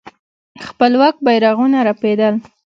خپلواک بيرغونه رپېدل.